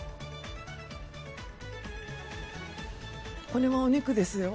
これはお肉ですよ。